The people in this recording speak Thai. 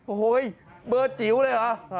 โอ้โหเบอร์จิ๋วเลยเหรอ